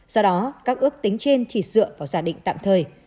do đó các ước tính trên chỉ dựa vào giả định tạm thời